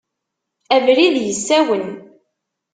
Abrid yessawen.